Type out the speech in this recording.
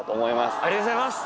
ありがとうございます。